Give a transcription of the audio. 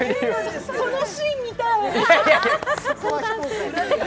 そのシーン見たい！